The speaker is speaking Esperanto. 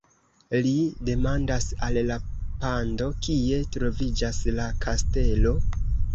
Ri demandas al la pando: "Kie troviĝas la kastelo?"